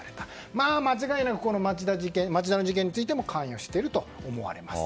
まあ間違いなくこの町田の事件にも関与していると思われます。